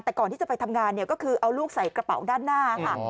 แต่ก่อนที่จะไปทำงานเนี่ยก็คือเอาลูกใส่กระเป๋าด้านหน้าค่ะ